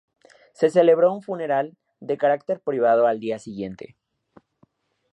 Se celebró un funeral de carácter privado al día siguiente.